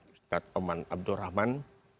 ustadz oman abdurrahman